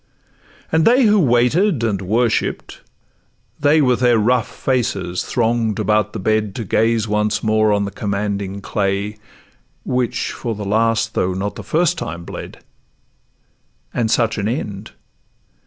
And they who waited once and worshipp'd—they With their rough faces throng'd about the bed To gaze once more on the commanding clay Which for the last, though not the first, time bled: And such an end!